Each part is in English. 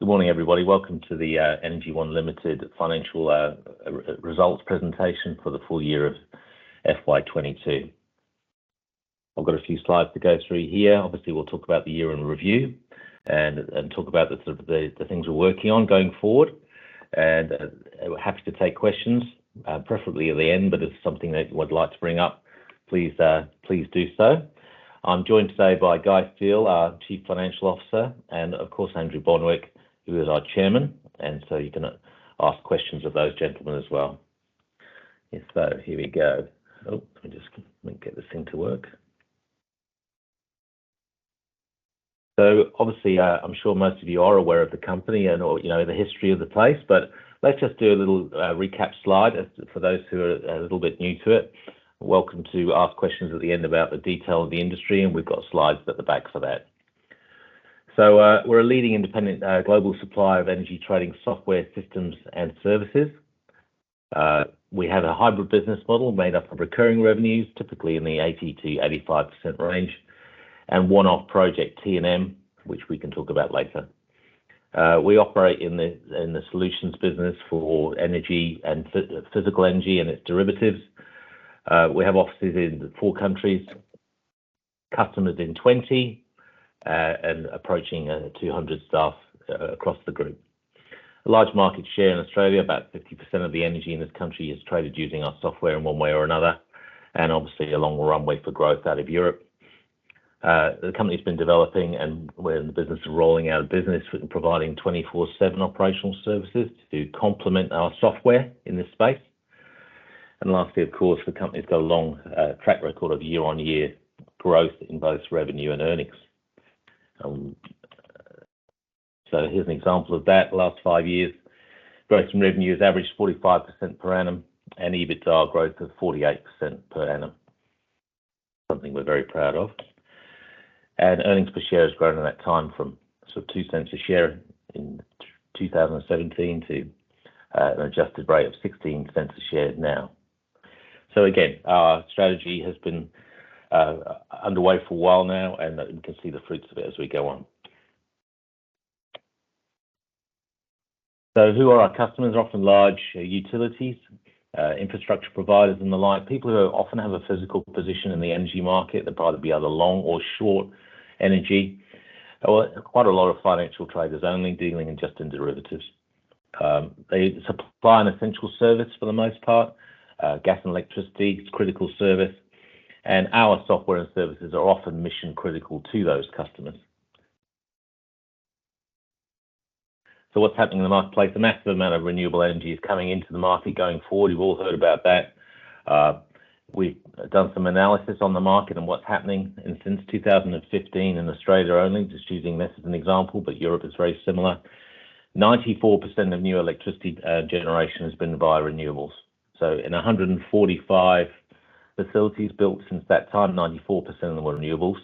Good morning, everybody. Welcome to the Energy One Limited financial results presentation for the full year of FY 2022. I've got a few slides to go through here. Obviously, we'll talk about the year in review and talk about the things we're working on going forward. Happy to take questions, preferably at the end, but if there's something that you would like to bring up, please do so. I'm joined today by Guy Steel, our Chief Financial Officer, and of course, Andrew Bonwick, who is our Chairman. You can ask questions of those gentlemen as well. Yes. Here we go. Oh, let me just get this thing to work. Obviously, I'm sure most of you are aware of the company and/or, you know, the history of the place, but let's just do a little recap slide for those who are a little bit new to it. Welcome to ask questions at the end about the detail of the industry, and we've got slides at the back for that. We're a leading independent global supplier of energy trading software systems and services. We have a hybrid business model made up of recurring revenues, typically in the 80%-85% range, and one-off project T&M, which we can talk about later. We operate in the solutions business for energy and physical energy and its derivatives. We have offices in four countries, customers in 20, and approaching 200 staff across the group. A large market share in Australia. About 50% of the energy in this country is traded using our software in one way or another, and obviously a long runway for growth out of Europe. The company's been developing, and we're in the business of rolling out a business providing 24/7 operational services to complement our software in this space. Lastly, of course, the company's got a long track record of year-on-year growth in both revenue and earnings. Here's an example of that. The last five years, growth in revenue has averaged 45% per annum, and EBITDA growth of 48% per annum. Something we're very proud of. Earnings per share has grown in that time from sort of 0.02 per share in 2017 to an adjusted rate of 0.16 per share now. Again, our strategy has been underway for a while now, and we can see the fruits of it as we go on. Who are our customers? They're often large utilities, infrastructure providers and the like. People who often have a physical position in the energy market. They're part of the other long or short energy. Quite a lot of financial traders only dealing in just in derivatives. They supply an essential service for the most part, gas and electricity. It's a critical service, and our software and services are often mission critical to those customers. What's happening in the marketplace? A massive amount of renewable energy is coming into the market going forward. You've all heard about that. We've done some analysis on the market and what's happening. Since 2015 in Australia only, just using this as an example, but Europe is very similar, 94% of new electricity generation has been via renewables. In 145 facilities built since that time, 94% of them were renewables.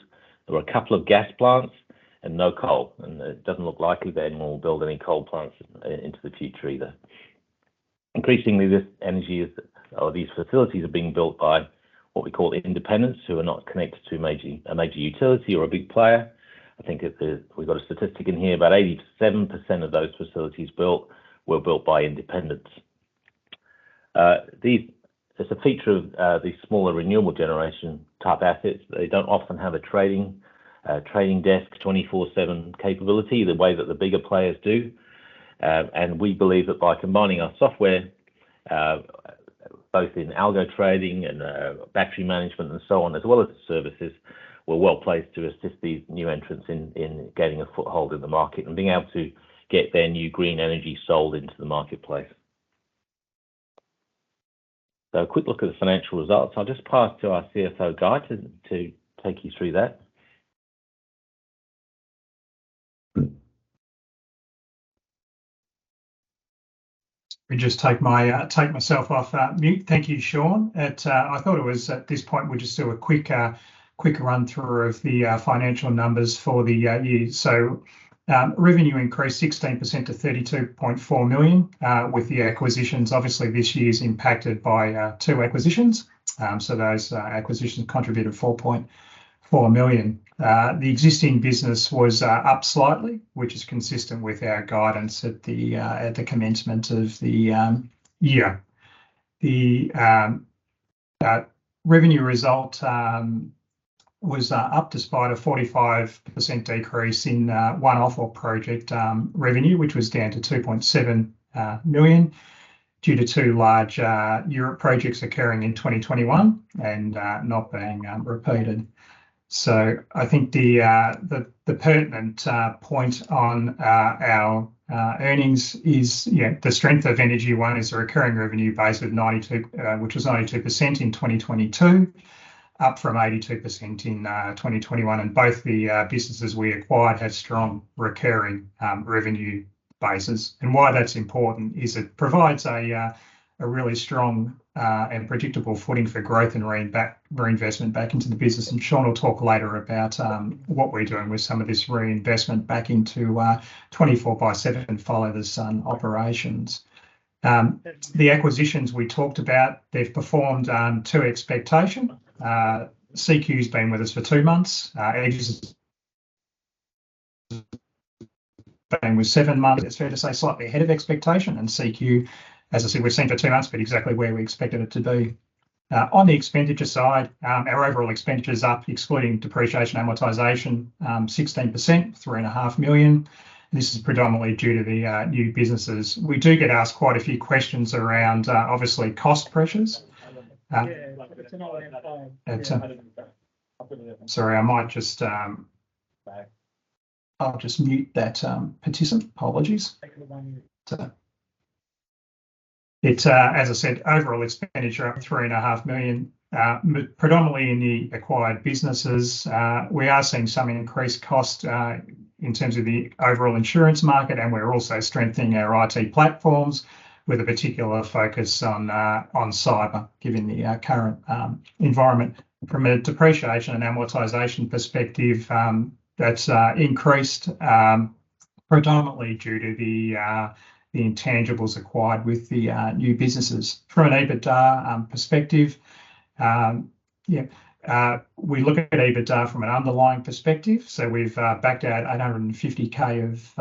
There were a couple of gas plants and no coal, and it doesn't look likely they anymore will build any coal plants into the future either. Increasingly, this energy is, or these facilities are being built by what we call independents who are not connected to a major utility or a big player. I think it is we've got a statistic in here. About 87% of those facilities built were built by independents. It's a feature of these smaller renewable generation type assets. They don't often have a trading desk, 24/7 capability the way that the bigger players do. We believe that by combining our software, both in Algo-Trading and battery management and so on, as well as the services, we're well placed to assist these new entrants in getting a foothold in the market and being able to get their new green energy sold into the marketplace. A quick look at the financial results. I'll just pass to our CFO, Guy, to take you through that. Let me just take myself off mute. Thank you, Shaun. I thought it was at this point, we just do a quick run through of the financial numbers for the year. Revenue increased 16% to 32.4 million with the acquisitions. Obviously, this year is impacted by two acquisitions. Those acquisitions contributed 4.4 million. The existing business was up slightly, which is consistent with our guidance at the commencement of the year. The revenue result was up despite a 45% decrease in one-off or project revenue, which was down to 2.7 million, due to two large Europe projects occurring in 2021 and not being repeated. I think the pertinent point on our earnings is the strength of Energy One is the recurring revenue base of 92, which was 92% in 2022, up from 82% in 2021. Both the businesses we acquired had strong recurring revenue bases. Why that's important is it provides a really strong and predictable footing for growth and reinvestment back into the business. Shaun will talk later about what we're doing with some of this reinvestment back into 24/7 and Follow the Sun operations. The acquisitions we talked about, they've performed to expectation. CQ's been with us for two months. EGSSIS's been with seven months. It's fair to say slightly ahead of expectation. CQ, as I said, we've seen for two months, but exactly where we expected it to be. On the expenditure side our overall expenditure's up, excluding depreciation and amortization, 16%, 3.5 million. This is predominantly due to the new businesses. We do get asked quite a few questions around, obviously cost pressures. Sorry, I might just, I'll just mute that participant. Apologies. It, as I said, overall expenditure up 3.5 million, predominantly in the acquired businesses. We are seeing some increased cost in terms of the overall insurance market, and we're also strengthening our IT platforms with a particular focus on cyber, given the current environment. From a depreciation and amortization perspective, that's increased predominantly due to the intangibles acquired with the new businesses. From an EBITDA perspective, we look at EBITDA from an underlying perspective, so we've backed out 850,000 of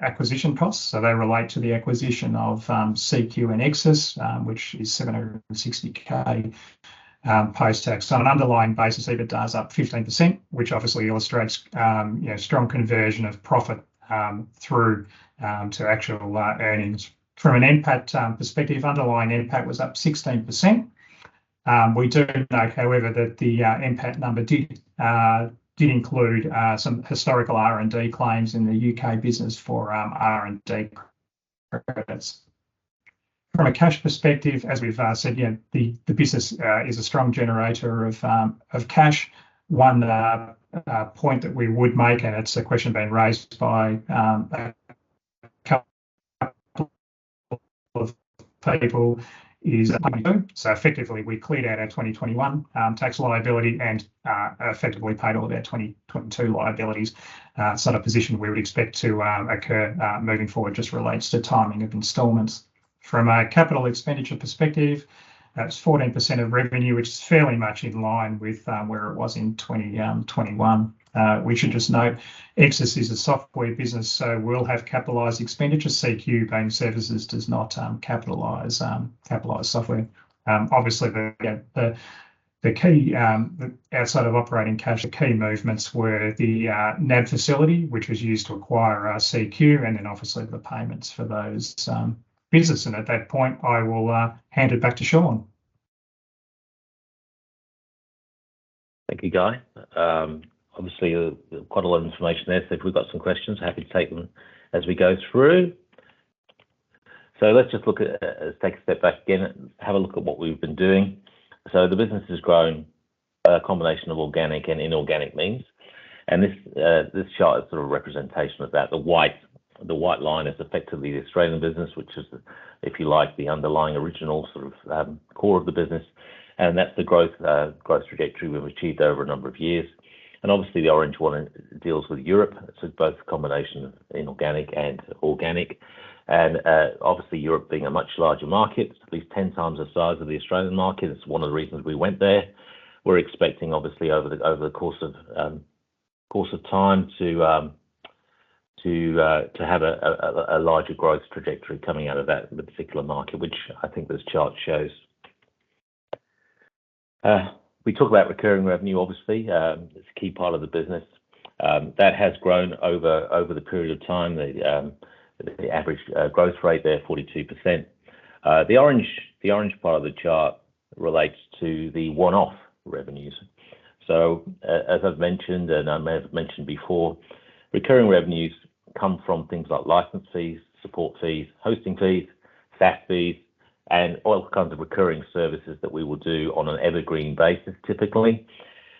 acquisition costs. They relate to the acquisition of CQ and EGSSIS, which is 760,000 post-tax. On an underlying basis, EBITDA's up 15%, which obviously illustrates, you know, strong conversion of profit through to actual earnings. From an NPAT perspective, underlying NPAT was up 16%. We do note, however, that the NPAT number did include some historical R&D claims in the U.K. business for R&D credits. From a cash perspective, as we've said, you know, the business is a strong generator of cash. One point that we would make, and it's a question been raised by a couple of people is so effectively we cleared out our 2021 tax liability and effectively paid all of our 2022 liabilities. In a position we would expect to occur moving forward, just relates to timing of installments. From a capital expenditure perspective, that's 14% of revenue, which is fairly much in line with where it was in 2021. We should just note, EGSSIS is a software business, so we'll have capitalized expenditure. CQ Energy does not capitalize software. Obviously, the key movements outside of operating cash were the NAB facility, which was used to acquire CQ, and then obviously the payments for those business. At that point, I will hand it back to Shaun. Thank you, Guy. Obviously, quite a lot of information there. If we've got some questions, happy to take them as we go through. Let's just look at, take a step back again and have a look at what we've been doing. The business is growing by a combination of organic and inorganic means. This chart is sort of a representation of that. The white line is effectively the Australian business, which is if you like the underlying original sort of core of the business. That's the growth trajectory we've achieved over a number of years. Obviously, the orange one deals with Europe, so both combination of inorganic and organic. Obviously, Europe being a much larger market, at least 10x the size of the Australian market. It's one of the reasons we went there. We're expecting obviously over the course of time to have a larger growth trajectory coming out of that, the particular market, which I think this chart shows. We talk about recurring revenue, obviously. It's a key part of the business. That has grown over the period of time. The average growth rate there, 42%. The orange part of the chart relates to the one-off revenues. As I've mentioned, and I may have mentioned before, recurring revenues come from things like license fees, support fees, hosting fees, SaaS fees, and all kinds of recurring services that we will do on an evergreen basis, typically.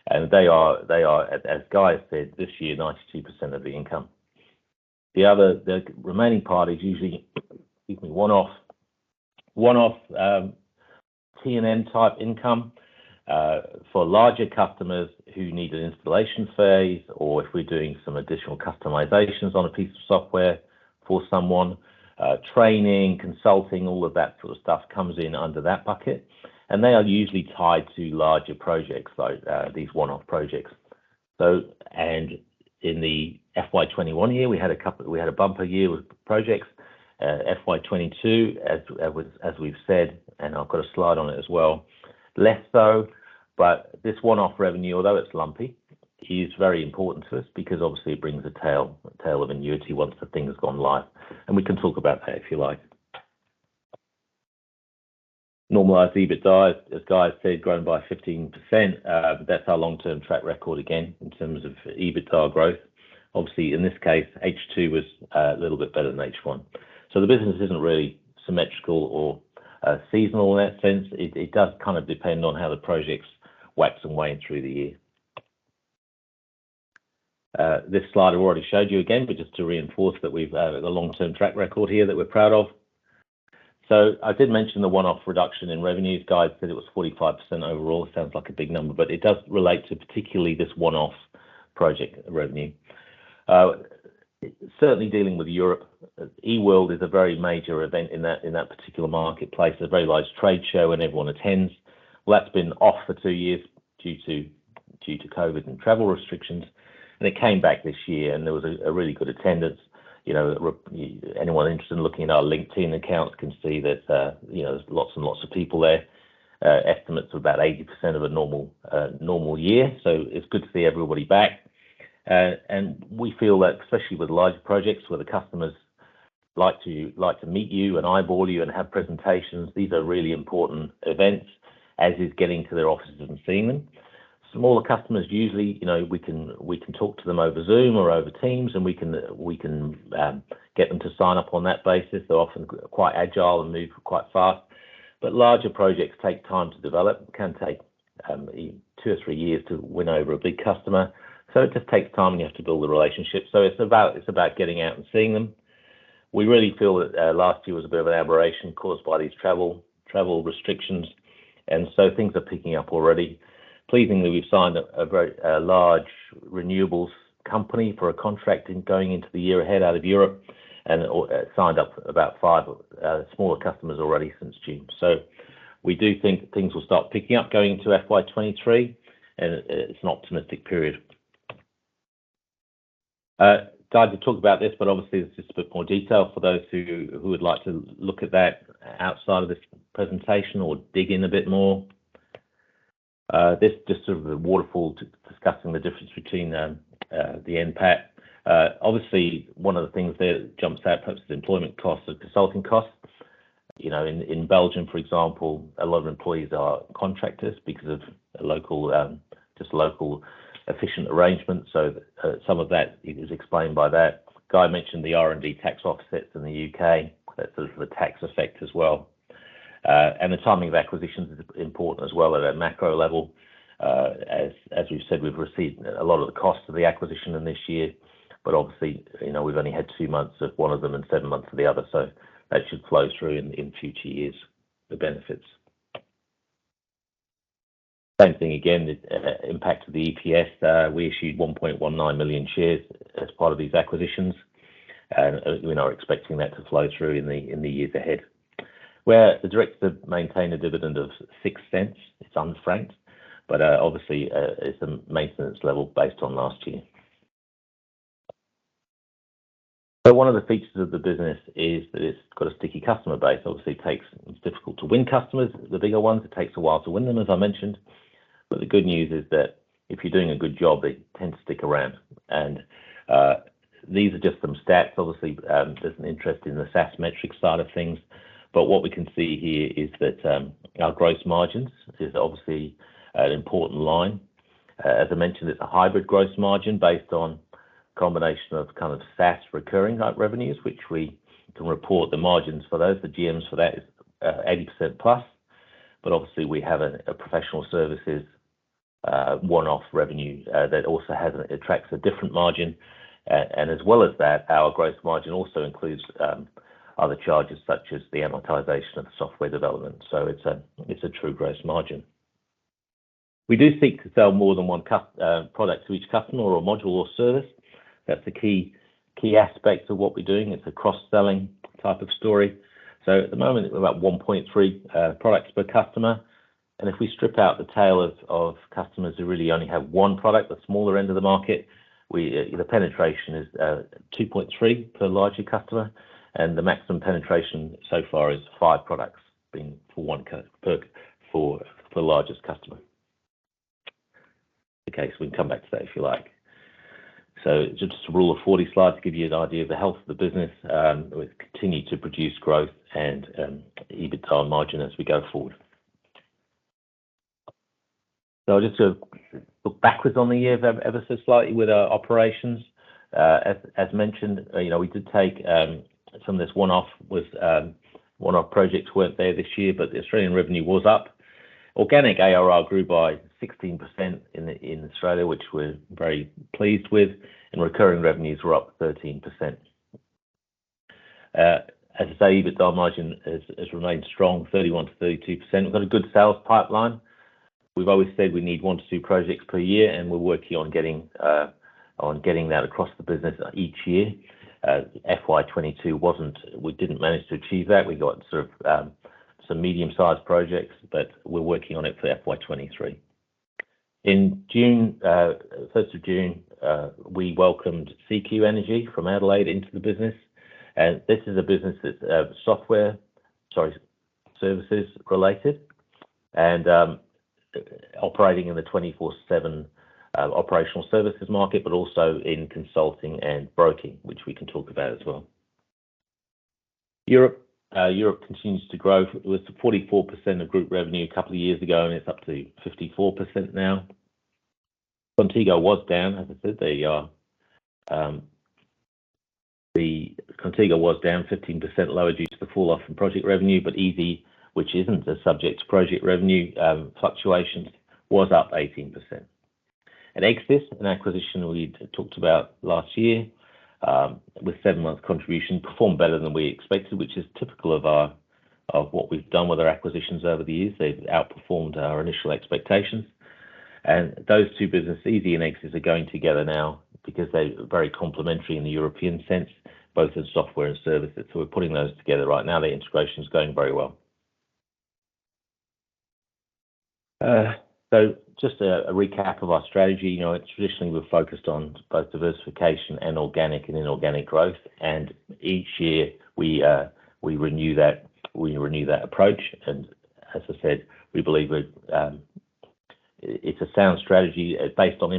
They are, as Guy said, this year, 92% of the income. The other, the remaining part is usually, excuse me, one-off T&M type income for larger customers who need an installation phase or if we're doing some additional customizations on a piece of software for someone. Training, consulting, all of that sort of stuff comes in under that bucket. They are usually tied to larger projects, so these one-off projects. In the FY 2021 year, we had a couple, we had a bumper year with projects. FY 2022, as we've said, and I've got a slide on it as well less so, but this one-off revenue, although it's lumpy, is very important to us because obviously it brings a tail of annuity once the thing has gone live. We can talk about that if you like. Normalized EBITA, as Guy said, grown by 15%. That's our long-term track record again, in terms of EBITA growth. Obviously, in this case, H2 was a little bit better than H1. The business isn't really symmetrical or seasonal in that sense. It does kind of depend on how the projects wax and wane through the year. This slides I've already showed you again, but just to reinforce that we've the long-term track record here that we're proud of. I did mention the one-off reduction in revenues. Guy said it was 45% overall. Sounds like a big number, but it does relate to particularly this one-off project revenue. Certainly, dealing with Europe, E-world is a very major event in that particular marketplace, a very large trade show, and everyone attends. Well, that's been off for two years due to COVID and travel restrictions. It came back this year, and there was a really good attendance. You know, anyone interested in looking at our LinkedIn account can see there's, you know, lots and lots of people there. Estimates of about 80% of a normal year. It's good to see everybody back. We feel that especially with larger projects where the customers like to meet you and eyeball you and have presentations, these are really important events, as is getting to their offices and seeing them. Smaller customers, usually, you know, we can talk to them over Zoom or over Teams, and we can get them to sign up on that basis. They're often quite agile and move quite fast. Larger projects take time to develop, can take two or three years to win over a big customer. It just takes time, and you have to build the relationship. It's about getting out and seeing them. We really feel that last year was a bit of an aberration caused by these travel restrictions, and things are picking up already. Pleasingly, we've signed a very large renewables company for a contract going into the year ahead out of Europe and signed up about five smaller customers already since June. We do think things will start picking up going into FY 2023, and it's an optimistic period. Guy did talk about this, but obviously, there's just a bit more detail for those who would like to look at that outside of this presentation or dig in a bit more. This just sort of a waterfall discussing the difference between the NPAT. Obviously, one of the things there that jumps out perhaps is employment costs and consulting costs. You know, in Belgium, for example, a lot of employees are contractors because of local just local efficient arrangements. So, some of that is explained by that. Guy mentioned the R&D tax offsets in the U.K. That's the tax effect as well. The timing of acquisitions is important as well at a macro level. As we've said, we've received a lot of the cost of the acquisition in this year, but obviously, you know, we've only had two months of one of them and seven months of the other. That should flow through in future years, the benefits. Same thing again, the impact of the EPS. We issued 1.19 million shares as part of these acquisitions, and we are expecting that to flow through in the years ahead, where the directors have maintained a dividend of 0.06. It's unfranked, but obviously, it's a maintenance level based on last year. One of the features of the business is that it's got a sticky customer base. Obviously, it takes. It's difficult to win customers, the bigger ones. It takes a while to win them, as I mentioned. The good news is that if you're doing a good job, they tend to stick around. These are just some stats. Obviously, there's an interest in the SaaS metric side of things. What we can see here is that our gross margins, this is obviously an important line. As I mentioned, it's a hybrid gross margin based on a combination of kind of SaaS recurring type revenues, which we can report the margins for those. The GMs for that is 80%+. Obviously, we have a professional service, one-off revenue, that also has a different margin. And as well as that, our gross margin also includes, other charges such as the amortization of the software development. It's a true gross margin. We do seek to sell more than one product to each customer or module or service. That's the key aspect of what we're doing. It's a cross-selling type of story. At the moment, we're about 1.3 products per customer. If we strip out the tail of customers who really only have one product, the smaller end of the market, we, the penetration is, 2.3 per larger customer. The maximum penetration so far is five products for the largest customer. Okay. We can come back to that if you like. Just a Rule of 40 slide to give you an idea of the health of the business. We've continued to produce growth and EBITDA margin as we go forward. Just to look backwards on the year ever so slightly with our operations. As mentioned, you know, we did take some of this one-off with one-off projects weren't there this year, but the Australian revenue was up. Organic ARR grew by 16% in Australia, which we're very pleased with, and recurring revenues were up 13%. As I say, EBITDA margin has remained strong, 31%-32%. We've got a good sales pipeline. We've always said we need one to two projects per year, and we're working on getting that across the business each year. FY 2022 wasn't. We didn't manage to achieve that. We got sort of some medium-sized projects, but we're working on it for FY 2023. In June, 1st of June, we welcomed CQ Energy from Adelaide into the business. This is a business that's services related and operating in the 24/7 operational services market, but also in consulting and broking, which we can talk about as well. Europe continues to grow. It was 44% of group revenue a couple of years ago, and it's up to 54% now. Contigo was down. Contigo was down 15% lower due to the fall off in project revenue, but eZ-nergy, which isn't as subject to project revenue fluctuations, was up 18%. EGSSIS, an acquisition we talked about last year, with seven months contribution, performed better than we expected, which is typical of what we've done with our acquisitions over the years. They've outperformed our initial expectations. Those two businesses, eZ-nergy and EGSSIS, are going together now because they're very complementary in the European sense, both in software and services. We're putting those together right now. The integration is going very well. Just a recap of our strategy. You know, traditionally we've focused on both diversification and organic and inorganic growth, and each year we renew that approach. As I said, we believe that it's a sound strategy based on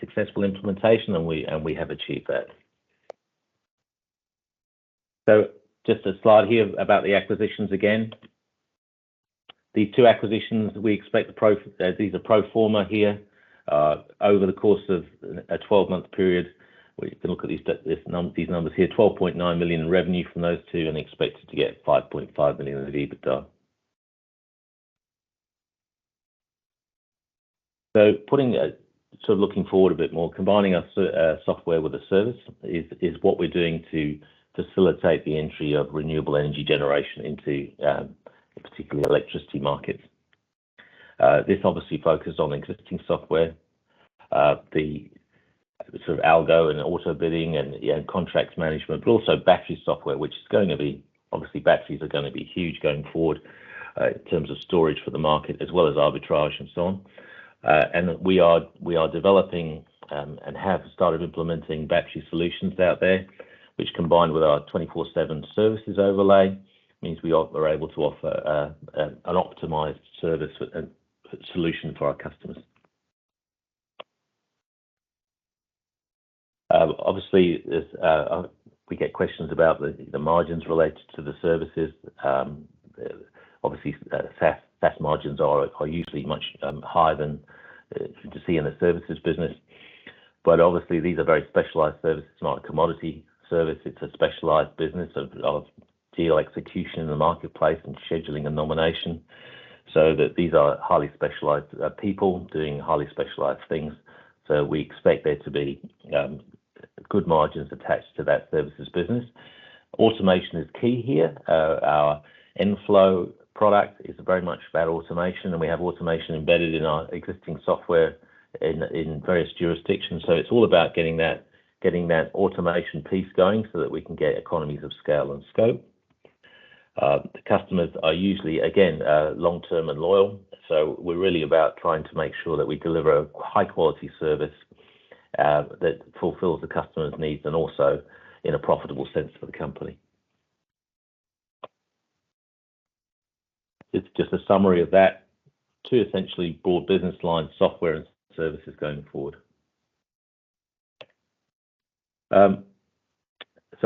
successful implementation, and we have achieved that. Just a slide here about the acquisitions again. The two acquisitions we expect the pro forma here. These are pro forma here. Over the course of a 12-month period, we can look at these numbers here. 12.9 million in revenue from those two and expected to get 5.5 million in EBITDA. Sort of looking forward a bit more, combining our software with a service is what we're doing to facilitate the entry of renewable energy generation into, particularly electricity markets. This obviously focused on existing software, the sort of algo and auto bidding and, you know, contracts management, but also battery software, which is going to be obviously, batteries are gonna be huge going forward in terms of storage for the market as well as arbitrage and so on. We are developing and have started implementing battery solutions out there, which combined with our 24/7 services overlay, means we are able to offer an optimized service solution for our customers. We get questions about the margins related to the services. Obviously, SaaS margins are usually much higher than you see in the services business. Obviously, these are very specialized services. It's not a commodity service; it's a specialized business of deal execution in the marketplace and scheduling a nomination so that these are highly specialized people doing highly specialized things. We expect there to be good margins attached to that services business. Automation is key here. Our enFlow product is very much about automation, and we have automation embedded in our existing software in various jurisdictions. It's all about getting that automation piece going so that we can get economies of scale and scope. The customers are usually, again, long-term and loyal. We're really about trying to make sure that we deliver a high-quality service, that fulfills the customer's needs and also in a profitable sense for the company. It's just a summary of that. Two essentially broad business lines, software and services going forward.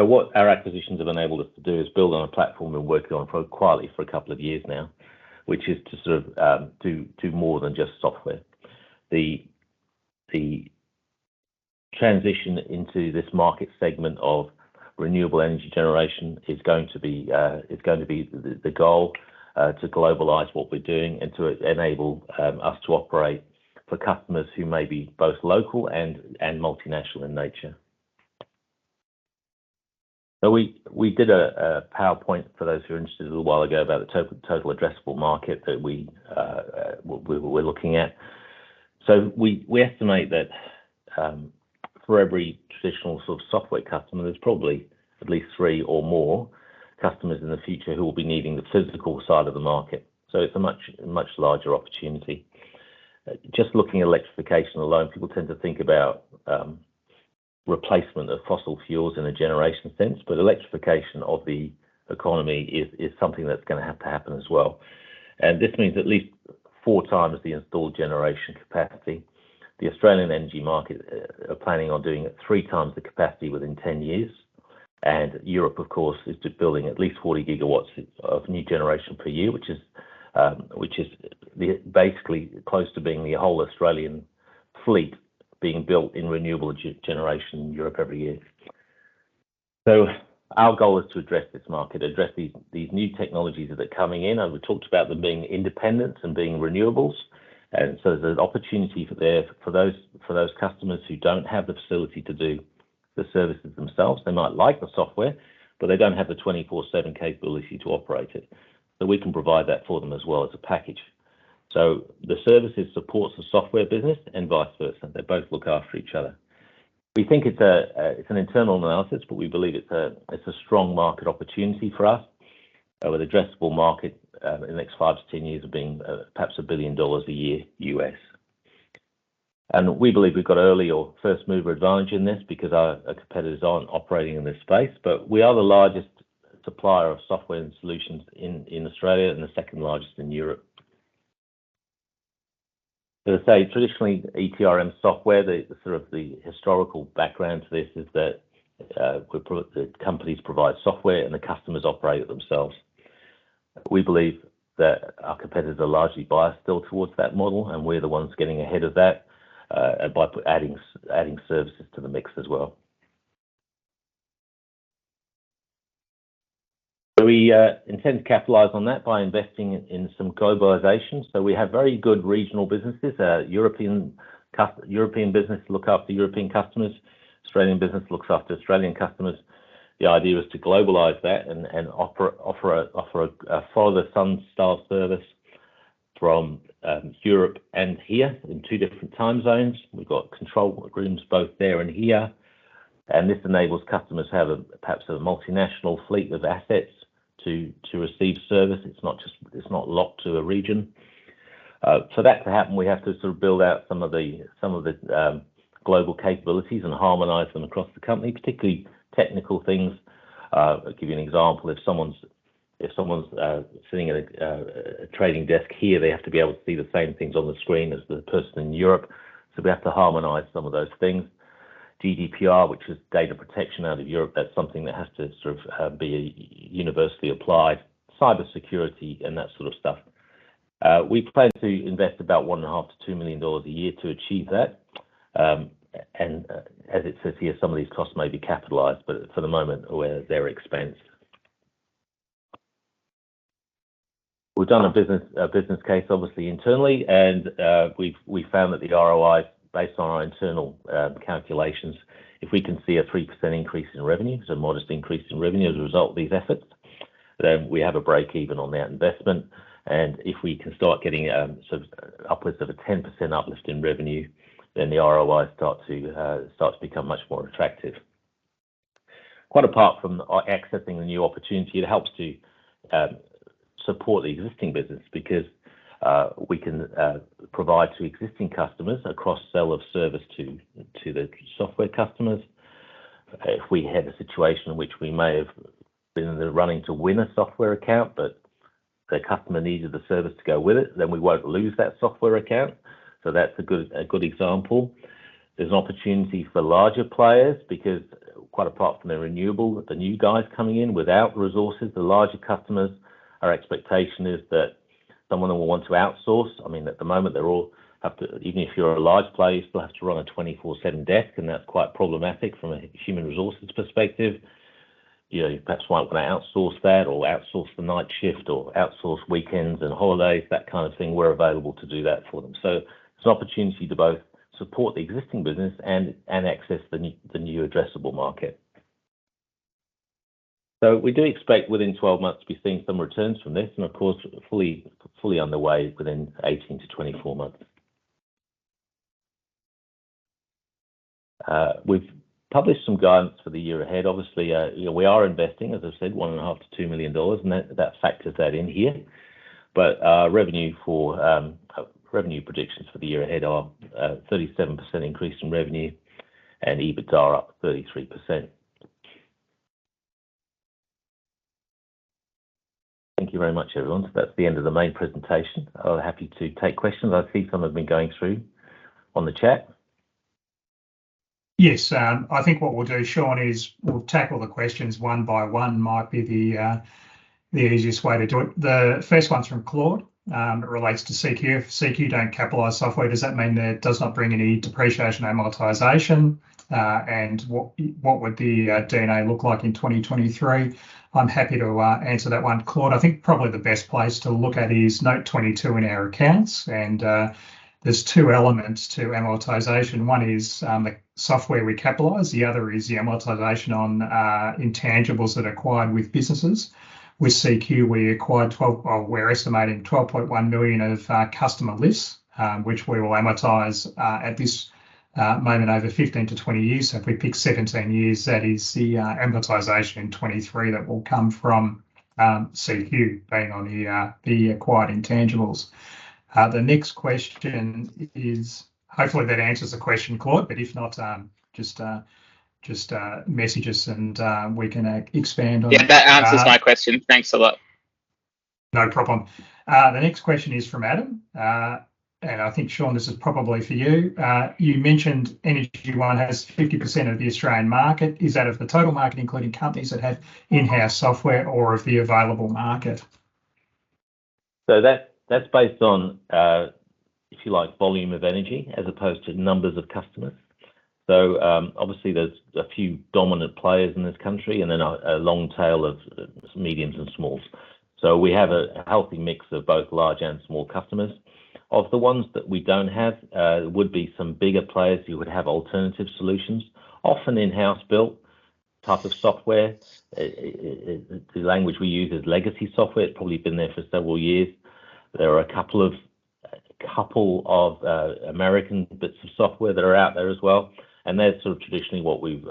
What our acquisitions have enabled us to do is built on a platform we've been working on quietly for a couple of years now, which is to sort of do more than just software. The transition into this market segment of renewable energy generation is going to be the goal to globalize what we're doing and to enable us to operate for customers who may be both local and multinational in nature. We did a PowerPoint for those who are interested a little while ago about the total addressable market that we're looking at. We estimate that for every traditional sort of software customer, there's probably at least three or more customers in the future who will be needing the physical side of the market. It's a much larger opportunity. Just looking at electrification alone, people tend to think about replacement of fossil fuels in a generation sense, but electrification of the economy is something that's gonna have to happen as well. This means at least four times the installed generation capacity. The Australian energy market are planning on doing it three times the capacity within 10 years. Europe, of course, is building at least 40 GW of new generation per year, which is basically close to being the whole Australian fleet being built in renewable generation in Europe every year. Our goal is to address this market, address these new technologies that are coming in, and we talked about them being independent and being renewables. There's an opportunity for those customers who don't have the facility to do the services themselves. They might like the software, but they don't have the 24/7 capability to operate it. We can provide that for them as well as a package. The services support the software business and vice versa. They both look after each other. We think it's an internal analysis, but we believe it's a strong market opportunity for us, with addressable market in the next five to 10 years of being perhaps $1 billion a year. We believe we've got early or first mover advantage in this because our competitors aren't operating in this space, but we are the largest supplier of software and solutions in Australia and the second largest in Europe. As I say, traditionally, ETRM software, the sort of historical background to this is that the companies provide software and the customers operate it themselves. We believe that our competitors are largely biased still towards that model, and we're the ones getting ahead of that by adding services to the mix as well. We intend to capitalize on that by investing in some globalization. We have very good regional businesses. Our European business look after European customers, Australian business looks after Australian customers. The idea is to globalize that and offer a follow-the-sun style service from Europe and here in two different time zones. We've got control rooms both there and here, and this enables customers to have a perhaps a multinational fleet of assets to receive service. It's not just. It's not locked to a region. For that to happen, we have to sort of build out some of the global capabilities and harmonize them across the company, particularly technical things. I'll give you an example. If someone's sitting at a trading desk here, they have to be able to see the same things on the screen as the person in Europe. We have to harmonize some of those things. GDPR, which is data protection out of Europe, that's something that has to sort of be universally applied. Cyber security and that sort of stuff. We plan to invest about 1.5 million-2 million dollars a year to achieve that. As it says here, some of these costs may be capitalized, but for the moment we'll bear their expense. We've done a business case obviously internally and we've found that the ROI based on our internal calculations, if we can see a 3% increase in revenue, so a modest increase in revenue as a result of these efforts, then we have a break-even on that investment. If we can start getting sort of upwards of a 10% uplift in revenue, then the ROI starts to become much more attractive. Quite apart from accepting the new opportunity, it helps to support the existing business because we can provide to existing customers a cross-sell of service to the software customers. If we had a situation in which we may have been in the running to win a software account, but the customer needed the service to go with it, then we won't lose that software account. That's a good example. There's an opportunity for larger players because quite apart from the renewable, the new guys coming in without resources, the larger customers, our expectation is that someone will want to outsource. I mean, at the moment, they all have to. Even if you're a large player, you still have to run a 24/7 desk, and that's quite problematic from a human resources perspective. You know, perhaps you might wanna outsource that or outsource the night shift or outsource weekends and holidays, that kind of thing. We're available to do that for them. It's an opportunity to both support the existing business and access the new addressable market. We do expect within 12 months to be seeing some returns from this and of course, fully underway within 18-24 months. We've published some guidance for the year ahead. Obviously, you know, we are investing, as I said, 1.5-2 million dollars, and that factors that in here. Revenue predictions for the year ahead are a 37% increase in revenue and EBITA are up 33%. Thank you very much, everyone. That's the end of the main presentation. I'll be happy to take questions. I see some have been going through on the chat. Yes. I think what we'll do, Shaun, is we'll tackle the questions one by one. It might be the easiest way to do it. The first one's from Claude. It relates to CQ. "If CQ don't capitalize software, does that mean that it does not bring any depreciation and amortization? And what would the D&A look like in 2023?" I'm happy to answer that one, Claude. I think probably the best place to look at is note 22 in our accounts. There's two elements to amortization. One is the software we capitalize, the other is the amortization on intangibles that are acquired with businesses. With CQ, we acquired 12.1 millions of customer lists, which we will amortize at this moment over 15-20 years. If we pick 17 years, that is the amortization in 2023 that will come from CQ being on the acquired intangibles. Hopefully, that answers the question, Claude, but if not, just message us and we can expand on Yeah, that answers my question. Thanks a lot. No problem. The next question is from Adam. I think, Shaun, this is probably for you. You mentioned Energy One has 50% of the Australian market. Is that of the total market, including companies that have in-house software or of the available market? That's based on, if you like, volume of energy as opposed to numbers of customers. Obviously, there's a few dominant players in this country and then a long tail of mediums and smalls. We have a healthy mix of both large and small customers. Of the ones that we don't have, would be some bigger players who would have alternative solutions, often in-house built type of software. The language we use is legacy software. It's probably been there for several years. There are a couple of American bits of software that are out there as well, and that's sort of traditionally what we've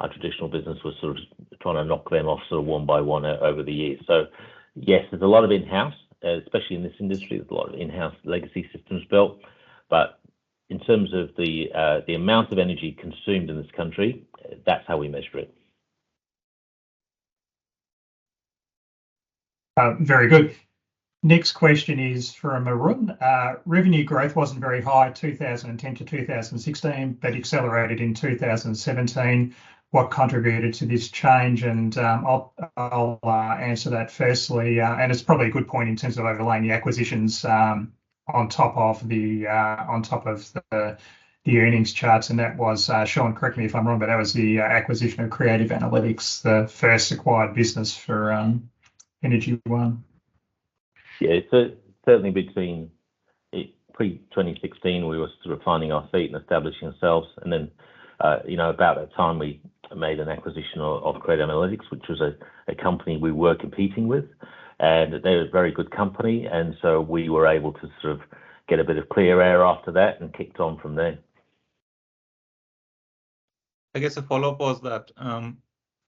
our traditional business was sort of trying to knock them off sort of one by one over the years. Yes, there's a lot of in-house, especially in this industry, there's a lot of in-house legacy systems built. In terms of the amount of energy consumed in this country, that's how we measure it. Very good. Next question is from Arun. Revenue growth wasn't very high in 2010 to 2016, but accelerated in 2017. What contributed to this change? I'll answer that firstly. It's probably a good point in terms of overlaying the acquisitions on top of the earnings charts, and that was, Shaun, correct me if I'm wrong, but that was the acquisition of Creative Analytics, the first acquired business for Energy One. Yeah. Certainly pre-2016, we were sort of finding our feet and establishing ourselves. You know, about that time we made an acquisition of Creative Analytics, which was a company we were competing with. They were a very good company, and so we were able to sort of get a bit of clear air after that and kicked on from there. I guess a follow-up was that,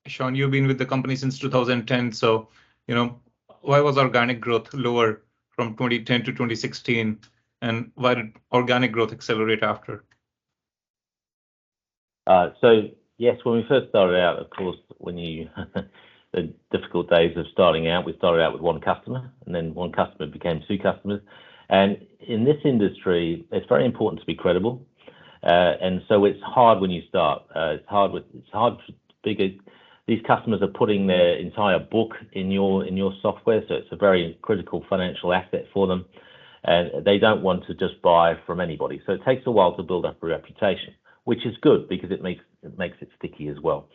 Shaun you've been with the company since 2010, so, you know, why was organic growth lower from 2010-2016, and why did organic growth accelerate after? Yes, when we first started out, of course, the difficult days of starting out, we started out with one customer, and then one customer became two customers. In this industry, it's very important to be credible. It's hard when you start. It's hard for bigger customers. These customers are putting their entire book in your software, so it's a very critical financial asset for them, and they don't want to just buy from anybody. It takes a while to build up a reputation, which is good because it makes it sticky as well.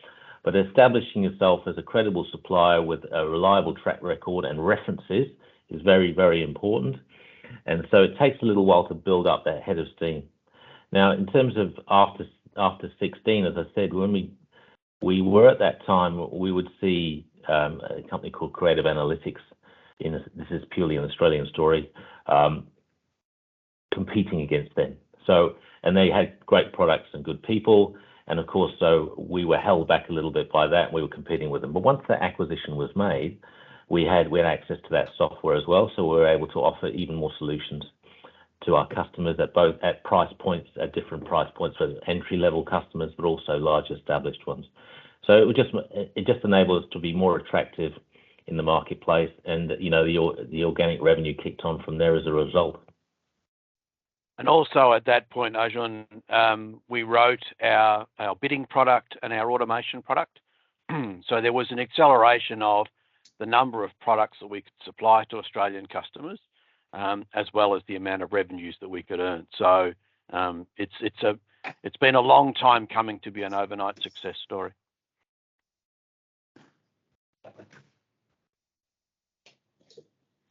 Establishing yourself as a credible supplier with a reliable track record and references is very, very important, and it takes a little while to build up that head of steam. Now, in terms of after 2016, as I said, when we were at that time, we would see a company called Creative Analytics. This is purely an Australian story, competing against them. They had great products and good people. Of course, we were held back a little bit by that. We were competing with them. Once that acquisition was made, we had access to that software as well, so we were able to offer even more solutions to our customers at different price points for entry-level customers, but also large established ones. It just enabled us to be more attractive in the marketplace and, you know, the organic revenue kicked on from there as a result. Also at that point, Ajon, we wrote our bidding product and our automation product. There was an acceleration of the number of products that we could supply to Australian customers, as well as the amount of revenues that we could earn. It's been a long time coming to be an overnight success story.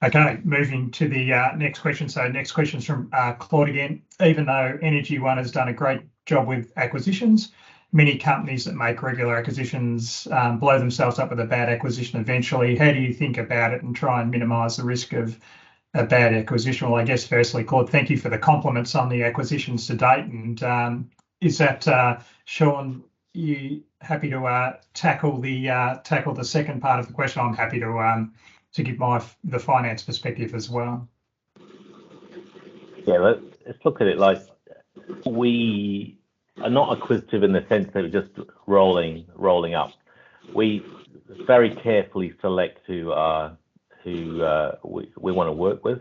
Okay, moving to the next question. Next question is from Claude again. Even though Energy One has done a great job with acquisitions, many companies that make regular acquisitions blow themselves up with a bad acquisition eventually. How do you think about it and try and minimize the risk of a bad acquisition? Well, I guess firstly, Claude, thank you for the compliments on the acquisitions to date. Is that, Shaun, you happy to tackle the second part of the question? I'm happy to give the finance perspective as well. Yeah. Let's look at it like we are not acquisitive in the sense that we're just rolling up. We very carefully select who we wanna work with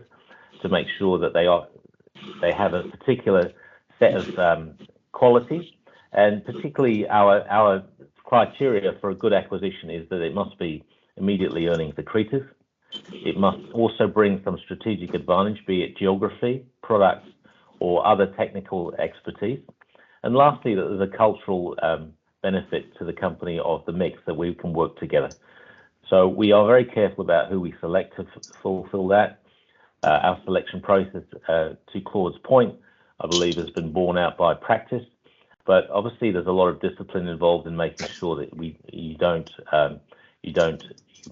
to make sure that they have a particular set of qualities. Particularly our criteria for a good acquisition is that it must be immediately earning accretive. It must also bring some strategic advantage, be it geography, product, or other technical expertise. Lastly, the cultural benefit to the company of the mix that we can work together. We are very careful about who we select to fulfill that. Our selection process, to Claude's point, I believe has been borne out by practice. Obviously, there's a lot of discipline involved in making sure that you don't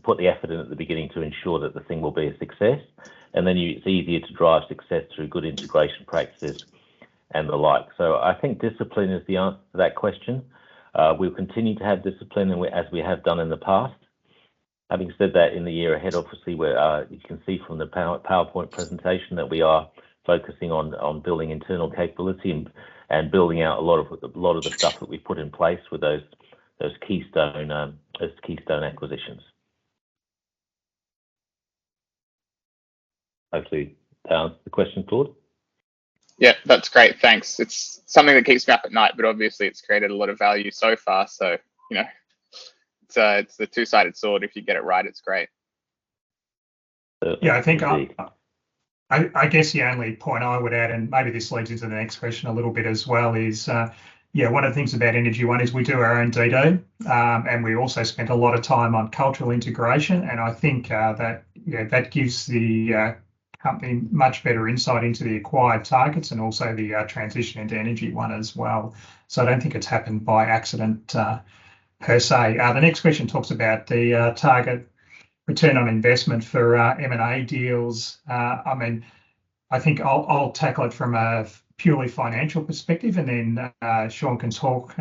put the effort in at the beginning to ensure that the thing will be a success. It's easier to drive success through good integration practices and the like. I think discipline is the answer to that question. We'll continue to have discipline as we have done in the past. Having said that, in the year ahead, obviously you can see from the PowerPoint presentation that we are focusing on building internal capability and building out a lot of the stuff that we've put in place with those keystone acquisitions. Hopefully that answered the question, Claude. Yeah, that's great. Thanks. It's something that keeps me up at night, but obviously it's created a lot of value so far, so, you know, it's a, it's a two-sided sword. If you get it right, it's great. Yeah. I think I guess the only point I would add, and maybe this leads into the next question a little bit as well, is yeah, one of the things about Energy One is we do our own DD, and we also spend a lot of time on cultural integration. I think that you know that gives the company much better insight into the acquired targets and also the transition into Energy One as well. I don't think it's happened by accident per se. The next question talks about the target return on investment for M&A deals. I mean, I think I'll tackle it from a purely financial perspective and then Shaun can talk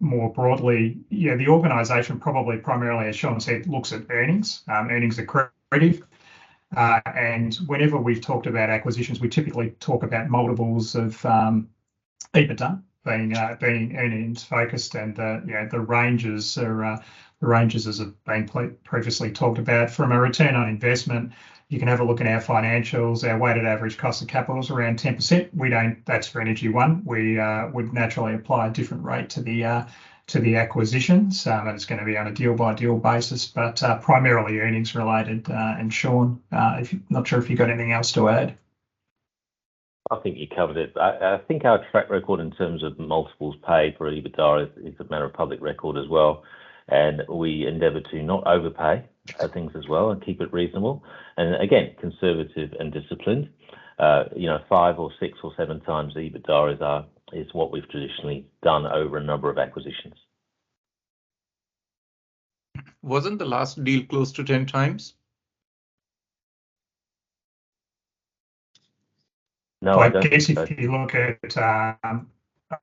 more broadly. You know, the organization probably primarily, as Shaun said, looks at earnings. Earnings are accretive. Whenever we've talked about acquisitions, we typically talk about multiples of EBITDA being earnings focused and the, you know, the ranges are the ranges as have been previously talked about. From a return on investment, you can have a look at our financials. Our weighted average cost of capital is around 10%. That's for Energy One. We would naturally apply a different rate to the acquisitions. It's gonna be on a deal-by-deal basis, but primarily earnings related. Shaun, not sure if you've got anything else to add. I think you covered it. I think our track record in terms of multiples paid for EBITDA is a matter of public record as well, and we endeavor to not overpay for things as well and keep it reasonable. Again, conservative and disciplined. You know, 5x or 6x or 7x EBITDA is what we've traditionally done over a number of acquisitions. Wasn't the last deal close to 10x? No, I don't think so. I guess if you look at, I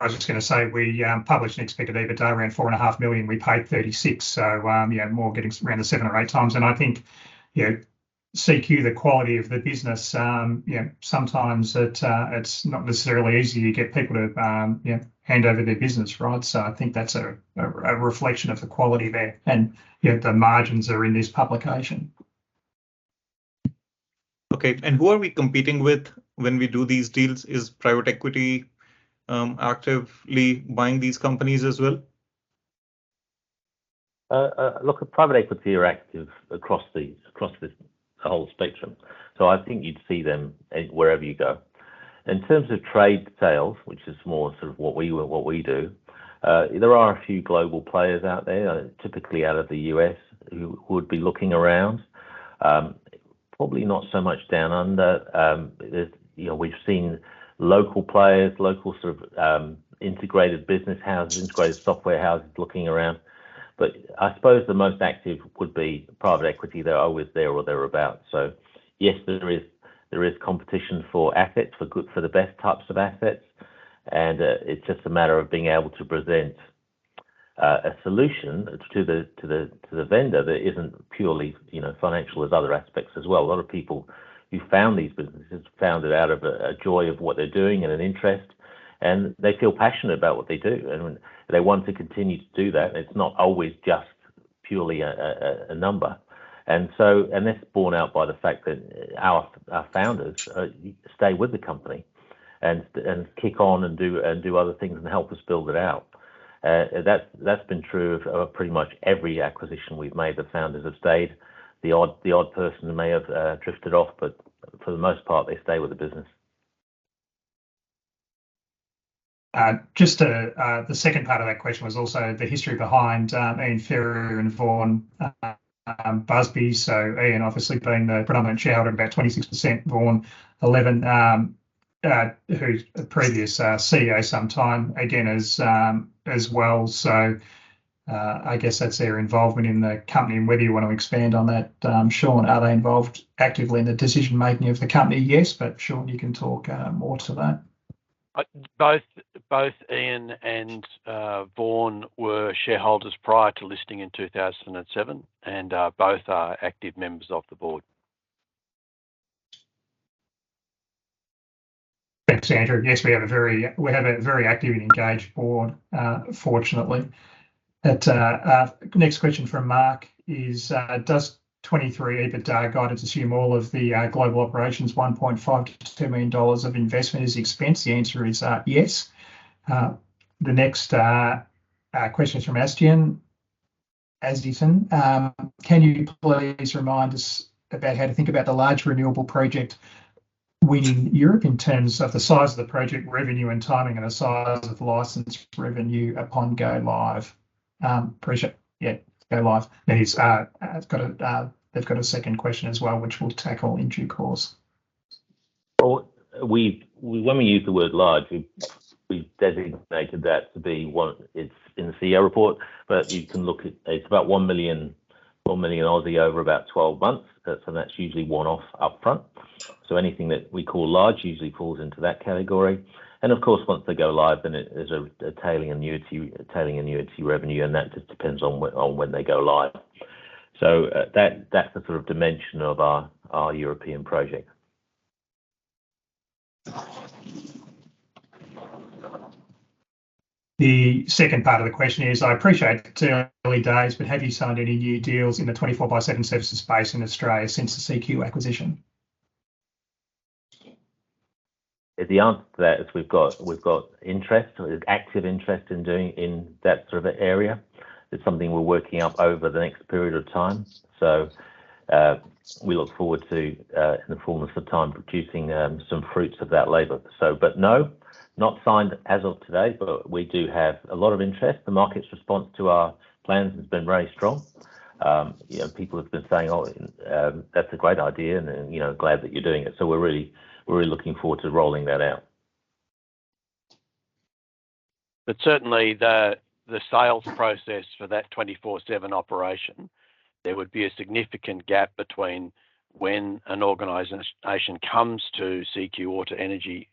was just gonna say, we published an expected EBITDA around four and a half million. We paid 36 million, so, yeah, more getting around the 7x or 8x. I think, you know, CQ, the quality of the business, you know, sometimes it's not necessarily easy to get people to, you know, hand over their business, right? I think that's a reflection of the quality there, and yet the margins are in this publication. Okay. Who are we competing with when we do these deals? Is private equity actively buying these companies as well? Look, private equity are active across these, across this whole spectrum. I think you'd see them wherever you go. In terms of trade sales, which is more sort of what we do, there are a few global players out there, typically out of the U.S., who would be looking around. Probably not so much down under. You know, we've seen local players, local sort of, integrated business houses, integrated software houses looking around. I suppose the most active would-be private equity. They're always there or they're about. Yes, there is competition for assets, for good, for the best types of assets, and it's just a matter of being able to present a solution to the vendor that isn't purely, you know, financial. There's other aspects as well. A lot of people who founded these businesses out of a joy of what they're doing and an interest, and they feel passionate about what they do, and they want to continue to do that. It's not always just purely a number. That's borne out by the fact that our founders stay with the company and kick on and do other things and help us build it out. That's been true of pretty much every acquisition we've made. The founders have stayed. The odd person may have drifted off, but for the most part, they stay with the business. Just to the second part of that question was also the history behind Ian Ferrier and Vaughan Busby. Ian obviously being the predominant shareholder, about 26%, Vaughan 11%, who's a previous CEO some time ago as well. I guess that's their involvement in the company and whether you want to expand on that. Shaun, are they involved actively in the decision-making of the company? Yes. Shaun, you can talk more to that. Both Ian and Vaughan were shareholders prior to listing in 2007, and both are active members of the board. Thanks, Andrew. Yes, we have a very active and engaged board, fortunately. Next question from Mark is, does FY 2023 EBITDA guidance assume all of the global operations 1.5 million-2 million dollars of investment is expense? The answer is, yes. The next question is from Astian Asdison. Can you please remind us about how to think about the large renewable project win in Europe in terms of the size of the project revenue and timing and the size of the license revenue upon go live? Appreciate, yeah, go live. He has got a, they've got a second question as well, which we'll tackle in due course. When we use the word large, we've designated that to be one. It's in the CEO report, but you can look at it. It's about 1 million over about 12 months. That's usually one-off up front. Anything that we call large usually falls into that category. Of course, once they go live, then it is a trailing annuity revenue, and that just depends on when they go live. That's the sort of dimension of our European project. The second part of the question is, I appreciate it's early days, but have you signed any new deals in the 24/7 services space in Australia since the CQ acquisition? The answer to that is we've got interest. There's active interest in doing, in that sort of area. It's something we're working up over the next period of time. We look forward to, in the fullness of time, producing some fruits of that labor. But no, not signed as of today, but we do have a lot of interest. The market's response to our plans has been very strong. You know, people have been saying, "Oh, that's a great idea," and, you know, "Glad that you're doing it." We're really looking forward to rolling that out. Certainly the sales process for that 24/7 operation, there would be a significant gap between when an organization comes to CQ or to Energy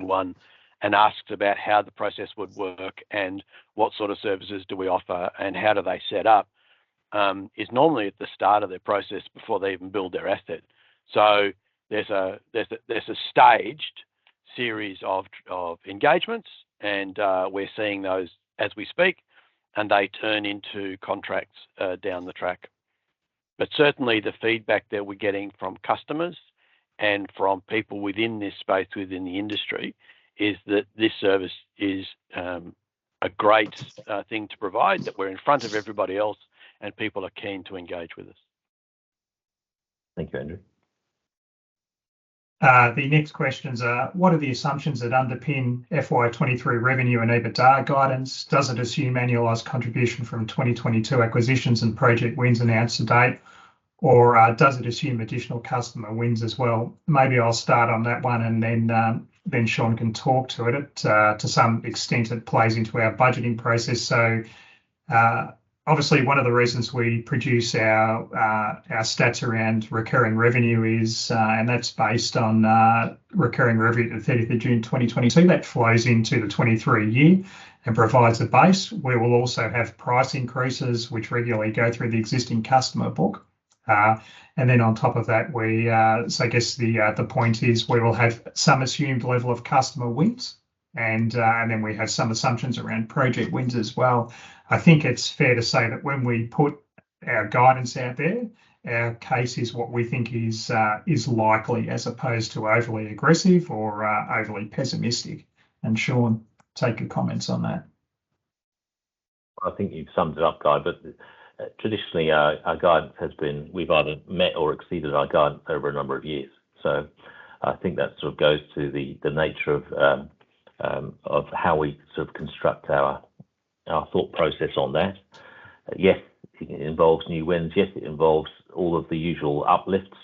One and asks about how the process would work and what sort of services do we offer and how do they set up is normally at the start of their process before they even build their asset. So, there's a staged series of engagements and we're seeing those as we speak and they turn into contracts down the track. Certainly, the feedback that we're getting from customers and from people within this space, within the industry, is that this service is a great thing to provide, that we're in front of everybody else and people are keen to engage with us. Thank you, Andrew. The next questions are, what are the assumptions that underpin FY23 revenue and EBITDA guidance? Does it assume annualized contribution from 2022 acquisitions and project wins announced to date, or does it assume additional customer wins as well? Maybe I'll start on that one, and then Shaun can talk to it. To some extent it plays into our budgeting process. Obviously one of the reasons we produce our stat's around recurring revenue is, and that's based on recurring revenue to June 30, 2022. That flows into the 2023 year and provides a base. We will also have price increases, which regularly go through the existing customer book. On top of that, we I guess the point is we will have some assumed level of customer wins and then we have some assumptions around project wins as well. I think it's fair to say that when we put our guidance out there, our case is what we think is likely as opposed to overly aggressive or overly pessimistic. Shaun, take your comments on that. I think you've summed it up, Guy, but traditionally our guidance has been we've either met or exceeded our guidance over a number of years. I think that sort of goes to the nature of how we sort of construct our thought process on that. Yes, it involves new wins. Yes, it involves all of the usual uplifts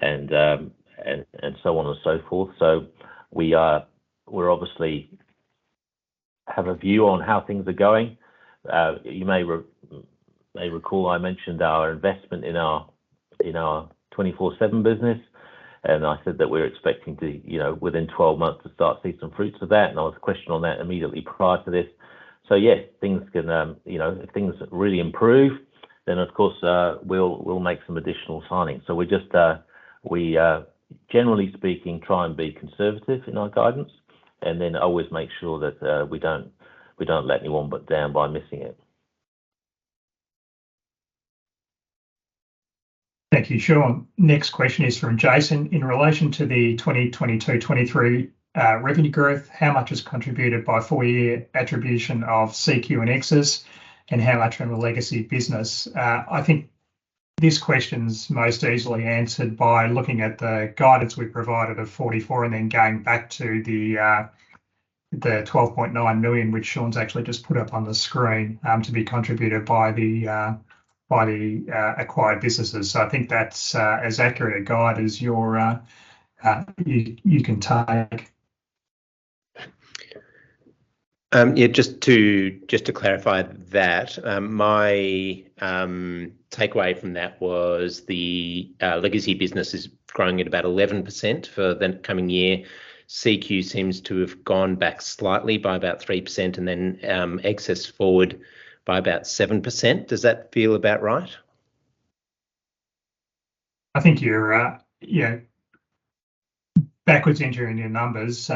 and so on and so forth. We obviously have a view on how things are going. You may recall I mentioned our investment in our 24/7 business, and I said that we're expecting to, you know, within 12 months to start to see some fruits of that, and there was a question on that immediately prior to this. Yes, things can, you know, if things really improve, then of course, we'll make some additional signings. We just, generally speaking, try and be conservative in our guidance and then always make sure that we don't let anyone down by missing it. Thank you, Shaun. Next question is from Jason. In relation to the 2022-2023 revenue growth, how much is contributed by full year contribution of CQ and EGSSIS, and how much from the legacy business? I think this question's most easily answered by looking at the guidance we provided of 44% and then going back to the 12.9 million, which Shaun's actually just put up on the screen, to be contributed by the acquired businesses. I think that's as accurate a guide as you can take. Yeah, just to clarify that, my takeaway from that was the legacy business is growing at about 11% for the coming year. CQ seems to have gone back slightly by about 3%, and then, EGSSIS forward by about 7%. Does that feel about right? I think you're yeah, backwards entering your numbers.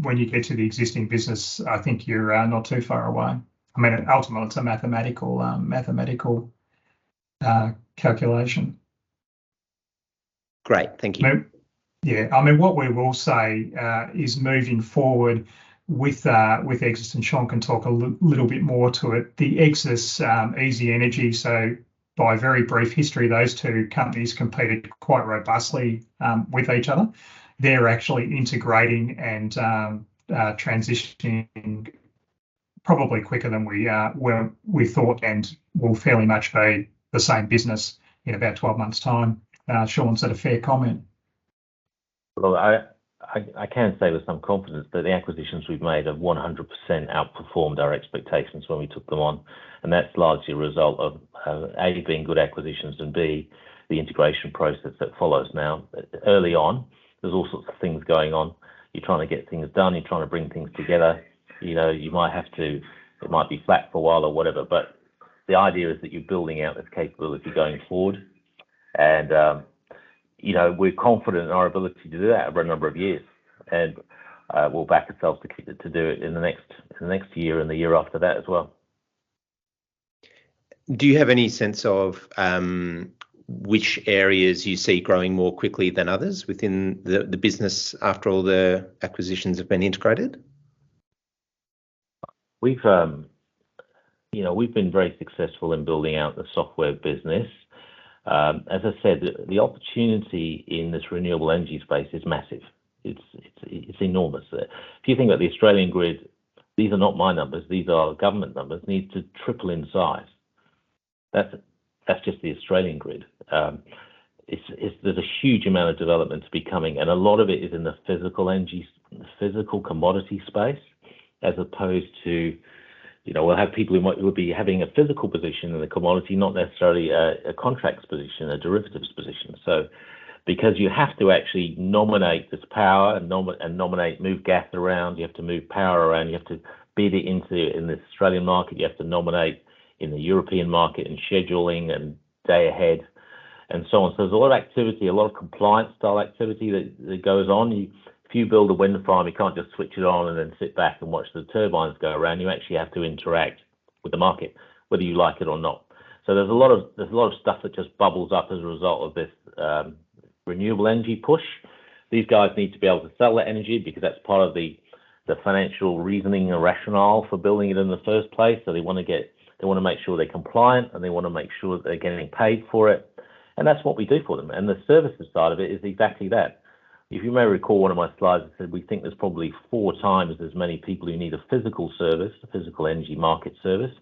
When you get to the existing business, I think you're not too far away. I mean ultimately, it's a mathematical calculation. Great. Thank you. Yeah. I mean, what we will say is moving forward with EGSSIS, and Shaun can talk a little bit more to it, the EGSSIS, eZ-nergy. A very brief history, those two companies competed quite robustly with each other. They're actually integrating and transitioning probably quicker than we were, we thought and will fairly much be the same business in about 12 month's time. Shaun, is that a fair comment? Well, I can say with some confidence that the acquisitions we've made have 100% outperformed our expectations when we took them on, and that's largely a result of A, being good acquisitions, and B, the integration process that follows. Now, early on, there's all sorts of things going on. You're trying to get things done, you're trying to bring things together. You know, you might have to, it might be flat for a while or whatever. The idea is that you're building out this capability going forward and, you know, we're confident in our ability to do that over a number of years. We'll back ourselves to do it in the next year and the year after that as well. Do you have any sense of which areas you see growing more quickly than others within the business after all the acquisitions have been integrated? We've, you know, been very successful in building out the software business. As I said, the opportunity in this renewable energy space is massive. It's enormous. If you think about the Australian grid, these are not my numbers, these are government numbers, needs to triple in size. That's just the Australian grid. There's a huge amount of development to be coming, and a lot of it is in the physical energy, physical commodity space as opposed to, you know, we'll have people who might would be having a physical position in the commodity, not necessarily a contract position, a derivatives position. Because you have to actually nominate this power and nominate, move gas around, you have to move power around, you have to be the entity in the Australian market. You have to nominate in the European market and scheduling and day ahead and so on. There's a lot of activity, a lot of compliance style activity that goes on. If you build a wind farm, you can't just switch it on and then sit back and watch the turbines go around. You actually have to interact with the market, whether you like it or not. There's a lot of stuff that just bubbles up as a result of this renewable energy push. These guys need to be able to sell that energy because that's part of the financial reasoning or rationale for building it in the first place. They wanna make sure they're compliant, and they wanna make sure that they're getting paid for it, and that's what we do for them. The services side of it is exactly that. If you may recall, one of my slides said we think there's probably four times as many people who need a physical service, a physical energy market service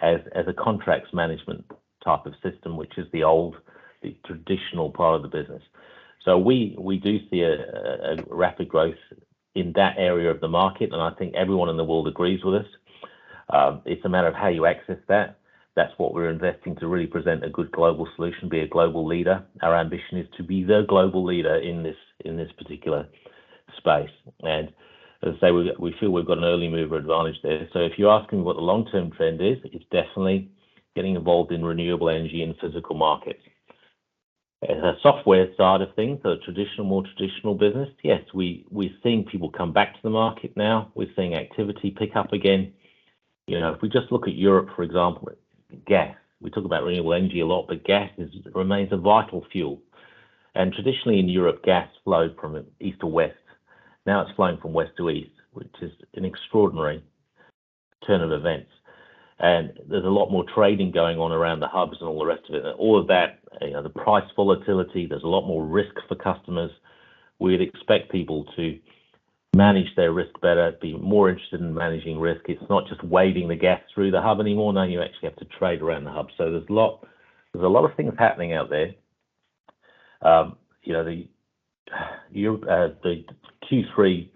as a contracts management type of system, which is the old, the traditional part of the business. We do see a rapid growth in that area of the market, and I think everyone in the world agrees with us. It's a matter of how you access that. That's what we're investing to really present a good global solution, be a global leader. Our ambition is to be the global leader in this, in this particular space. We feel we've got an early mover advantage there. If you're asking what the long-term trend is, it's definitely getting involved in renewable energy and physical markets. In the software side of things, the traditional, more traditional business, yes, we're seeing people come back to the market now. We're seeing activity pick up again. You know, if we just look at Europe, for example, gas. We talk about renewable energy a lot, but gas remains a vital fuel. Traditionally in Europe, gas flowed from east to west. Now it's flowing from west to east, which is an extraordinary turn of events. There's a lot more trading going on around the hubs and all the rest of it. All of that, you know, the price volatility, there's a lot more risk for customers. We'd expect people to manage their risk better, be more interested in managing risk. It's not just waving the gas through the hub anymore. Now you actually have to trade around the hub. There's a lot of things happening out there. You know, Europe, the Q3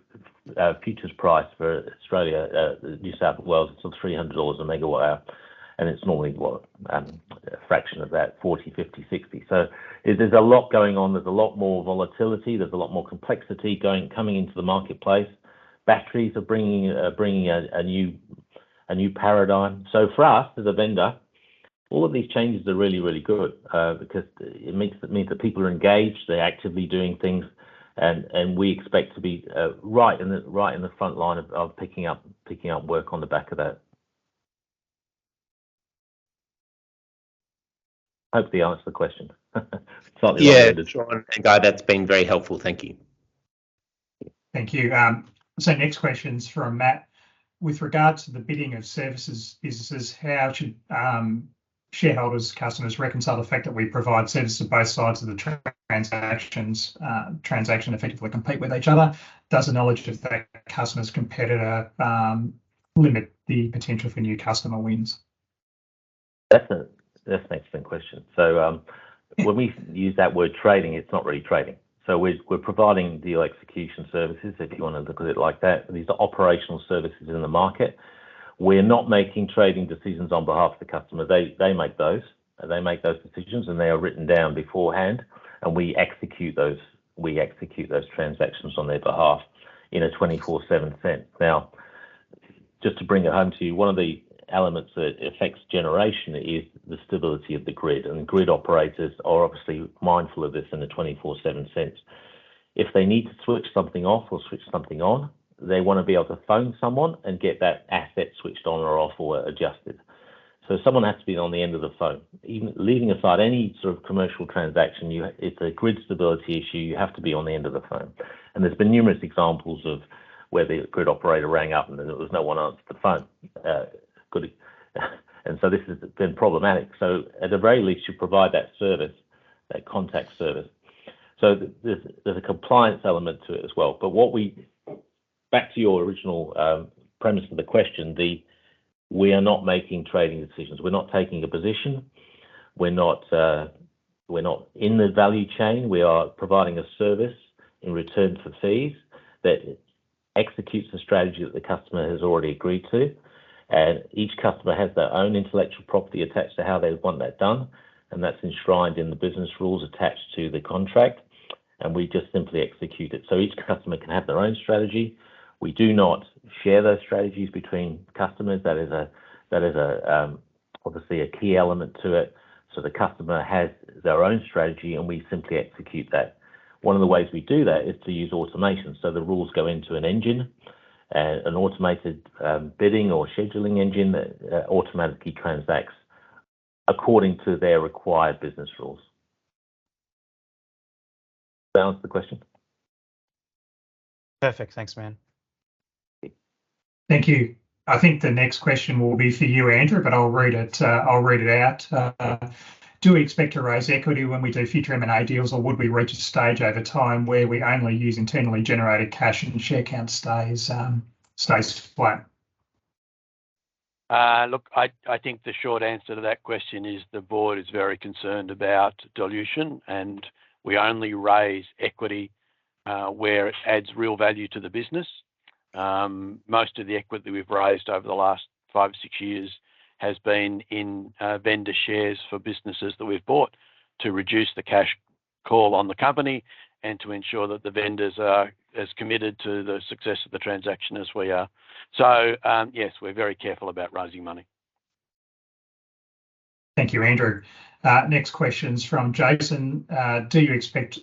futures price for Australia, New South Wales, it's 300 a MWh, and it's normally a fraction of that, 40, 50, 60. There's a lot going on. There's a lot more volatility. There's a lot more complexity coming into the marketplace. Batteries are bringing a new paradigm. For us as a vendor, all of these changes are really, really good, because it means that people are engaged, they're actively doing things, and we expect to be right in the front line of picking up work on the back of that. Hopefully I answered the question. Slightly long-winded. Yeah. Shaun and Guy, that's been very helpful. Thank you. Thank you. Next questions from Matt: With regards to the bidding of services businesses, how should shareholders, customers reconcile the fact that we provide service to both sides of the transaction, effectively compete with each other? Does the knowledge affect customer's competitor limit the potential for new customer wins? That's an excellent question. When we use that word trading, it's not really trading. We're providing deal execution services, if you wanna look at it like that. These are operational services in the market. We're not making trading decisions on behalf of the customer. They make those. They make those decisions, and they are written down beforehand, and we execute those transactions on their behalf in a 24/7 sense. Now, just to bring it home to you, one of the elements that affects generation is the stability of the grid, and grid operators are obviously mindful of this in a 24/7 sense. If they need to switch something off or switch something on, they wanna be able to phone someone and get that asset switched on or off or adjusted. Someone has to be on the end of the phone. Even leaving aside any sort of commercial transaction, you, it's a grid stability issue, you have to be on the end of the phone. There's been numerous examples of where the grid operator rang up, and then there was no one to answer the phone. This has been problematic. At the very least, you provide that service, that contact service. There, there's a compliance element to it as well. Back to your original premise of the question, we are not making trading decisions. We're not taking a position. We're not in the value chain. We are providing a service in return for fees that executes the strategy that the customer has already agreed to. Each customer has their own intellectual property attached to how they want that done, and that's enshrined in the business rules attached to the contract, and we just simply execute it. Each customer can have their own strategy. We do not share those strategies between customers. That is obviously a key element to it. The customer has their own strategy, and we simply execute that. One of the ways we do that is to use automation. The rules go into an engine, an automated bidding or scheduling engine that automatically transacts according to their required business rules. That answer the question? Perfect. Thanks, man. Thank you. I think the next question will be for you, Andrew, but I'll read it, I'll read it out. Do we expect to raise equity when we do future M&A deals, or would we reach a stage over time where we only use internally generated cash and share count stays flat? Look, I think the short answer to that question is the board is very concerned about dilution, and we only raise equity where it adds real value to the business. Most of the equity we've raised over the last five to six years has been in vendor shares for businesses that we've bought to reduce the cash call on the company and to ensure that the vendors are as committed to the success of the transaction as we are. Yes, we're very careful about raising money. Thank you, Andrew. Next questions from Jason. Do you expect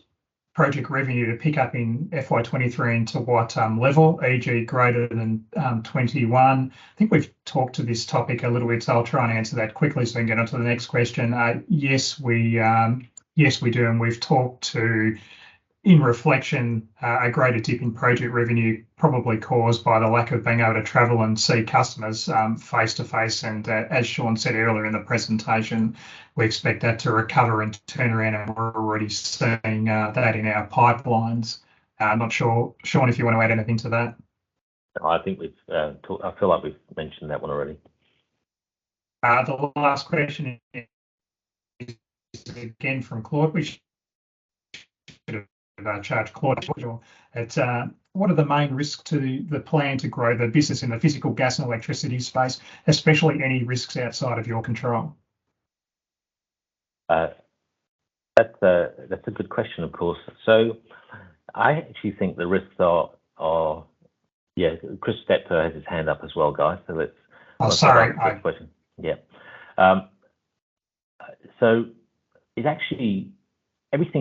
project revenue to pick up in FY 2023 and to what level or greater than 21? I think we've talked about this topic a little bit, so I'll try and answer that quickly so we can get on to the next question. Yes, we do, and in reflection, a greater dip in project revenue probably caused by the lack of being able to travel and see customers face to face. As Shaun said earlier in the presentation, we expect that to recover and turn around, and we're already seeing that in our pipelines. I'm not sure, Shaun, if you want to add anything to that. No, I think we've I feel like we've mentioned that one already. The last question is again from Claude. It's, what are the main risks to the plan to grow the business in the physical gas and electricity space, especially any risks outside of your control? That's a good question, of course. I actually think the risks are. Yeah, Chris Steptoe has his hand up as well, guys, so let's- Oh, sorry.. Thanks,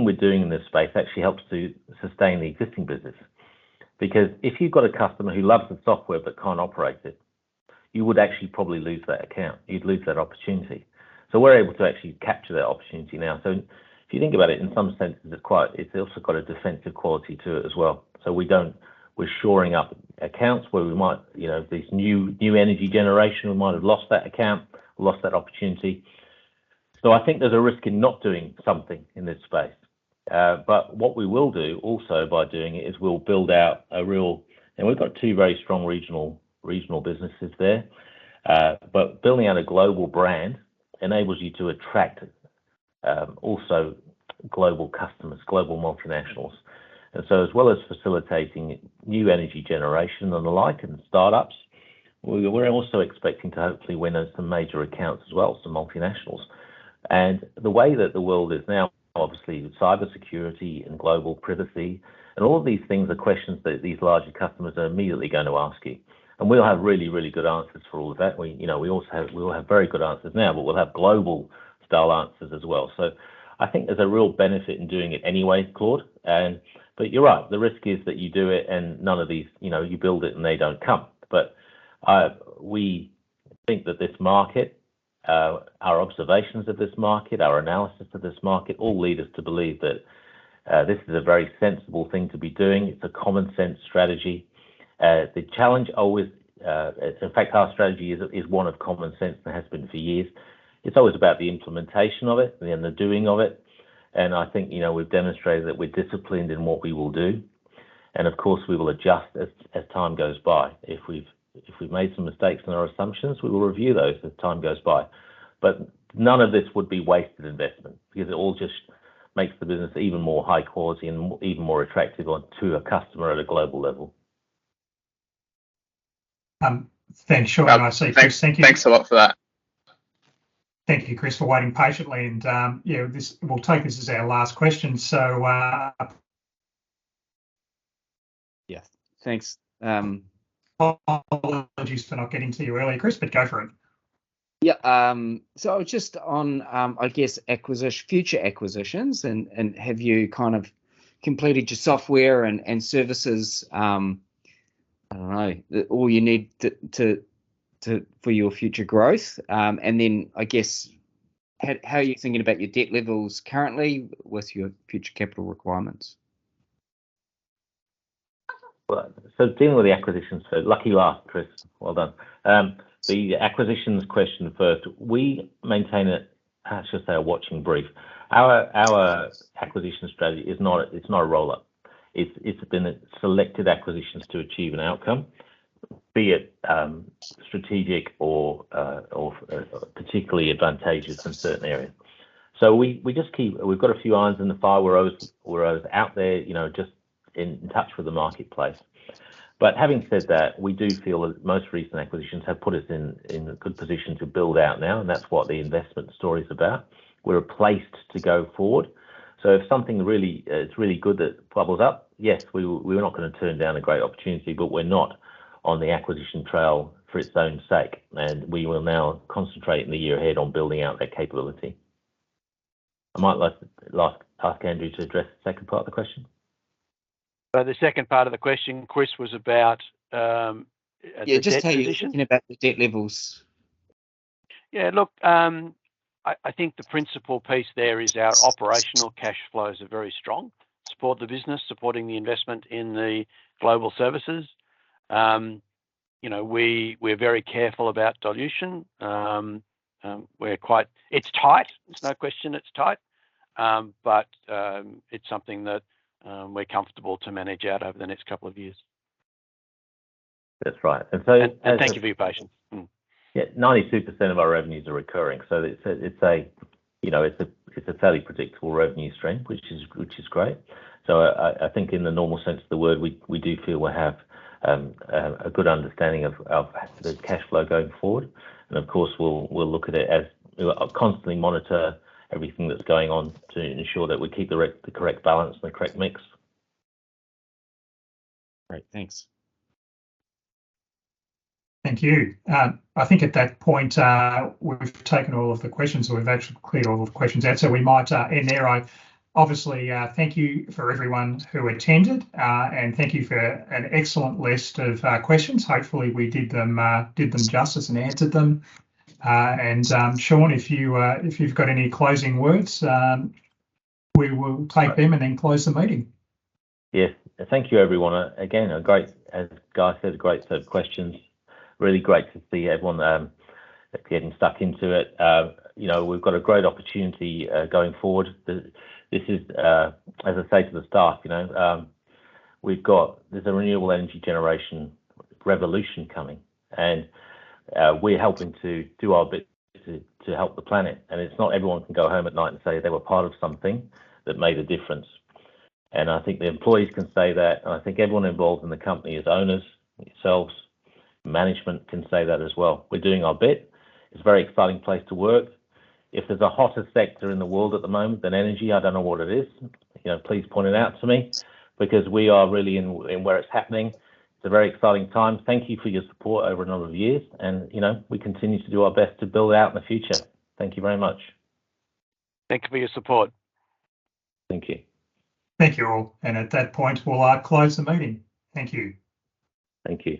Sean. I see Chris. Thank you. Thanks. Thanks a lot for that. Thank you, Chris, for waiting patiently. We'll take this as our last question. Yeah. Thanks. Apologies for not getting to you earlier, Chris, but go for it. Yeah. Just on, I guess future acquisitions and have you kind of completed your software and services, I don't know, all you need to for your future growth? I guess, how are you thinking about your debt levels currently with your future capital requirements? Well, dealing with the acquisitions, lucky last, Chris. Well, done. The acquisitions question first. We maintain a watching brief. Our acquisition strategy is not a roll-up. It's been selected acquisitions to achieve an outcome, be it strategic or particularly advantageous in certain areas. We just keep. We've got a few irons in the fire. We're always out there, you know, just in touch with the marketplace. Having said that, we do feel that most recent acquisitions have put us in a good position to build out now, and that's what the investment story is about. We're placed to go forward. If something really is really good that bubbles up, yes, we're not gonna turn down a great opportunity, but we're not on the acquisition trail for its own sake. We will now concentrate in the year ahead on building out that capability. I might like ask Andrew to address the second part of the question. The second part of the question, Chris, was about. Yeah, just how you Debt positions? Thinking about the debt levels. Yeah, look, I think the principal piece there is our operational cash flows are very strong to support the business, supporting the investment in the global services. You know, we're very careful about dilution. It's tight. There's no question it's tight. It's something that we're comfortable to manage out over the next couple of years. That's right. Thank you for your patience. Yeah. 92% of our revenues are recurring, so it's a, you know, fairly predictable revenue stream, which is great. I think in the normal sense of the word, we do feel we have a good understanding of the cash flow going forward. Of course, we'll look at it as, you know, constantly monitor everything that's going on to ensure that we keep the correct balance and the correct mix. Great. Thanks. Thank you. I think at that point, we've taken all of the questions, so we've actually cleared all the questions out. We might end there. I obviously thank you for everyone who attended. Thank you for an excellent list of questions. Hopefully, we did them justice and answered them. Shaun, if you've got any closing words, we will take them and then close the meeting. Yes. Thank you everyone. Again, a great, as Guy said, great set of questions. Really great to see everyone getting stuck into it. You know, we've got a great opportunity going forward. This is, as I say to the staff, you know, we've got, there's a renewable energy generation revolution coming and we're helping to do our bit to help the planet. It's not everyone can go home at night and say they were part of something that made a difference. I think the employees can say that, and I think everyone involved in the company, as owners, ourselves, management can say that as well. We're doing our bit. It's a very exciting place to work. If there's a hotter sector in the world at the moment than energy, I don't know what it is. You know, please point it out to me because we are really in where it's happening. It's a very exciting time. Thank you for your support over a number of years and, you know, we continue to do our best to build out in the future. Thank you very much. Thanks for your support. Thank you. Thank you all. At that point, we'll close the meeting. Thank you. Thank you.